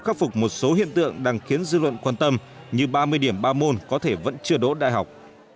khắc phục một số hiện tượng đang khiến dư luận quan tâm như ba mươi điểm ba môn có thể vẫn chưa đỗ đại học